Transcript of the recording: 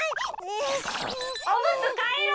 「おむつかえろ！